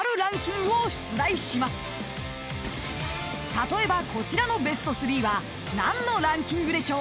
［例えばこちらのベスト３は何のランキングでしょう？］